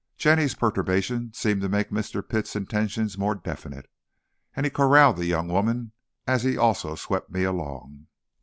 Jenny's perturbation seemed to make Mr. Pitt's intentions more definite, and he corralled the young woman, as he also swept me along.